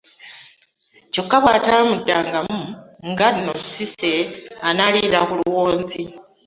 Kyokka bw'ataamuddangamu nga nno Cissy anaalira ku luwonzi.